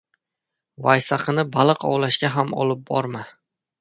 • Vaysaqini baliq ovlashga ham olib borma.